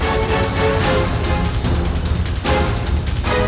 terus kamu punya kesilapan